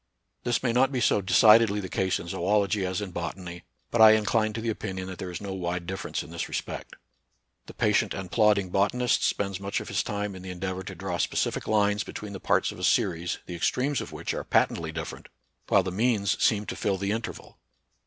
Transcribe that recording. This may not be so de cidedly the case in zoology as in botany ; but I incline to the opinion that there is no wide dif ference in this respect. The patient and plod ding botanist spends much of his time in the endeavor to draw specific lines between the parts of a series the extremes of which are pa tently different, while the means seem to fill the interval.